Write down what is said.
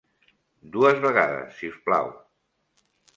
Dues vegades, si us plau.